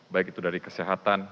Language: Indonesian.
baik itu dari kesehatan